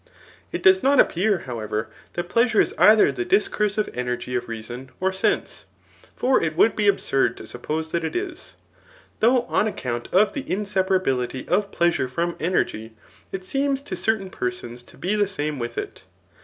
It does not appear, however, that pleasure is either the discunive energy of reason or sense ; for it would be absurd [to suppose that it is ;] though on account of the inseparabi lity of pleasure from, energy, it seems to certain persons to be the same with it.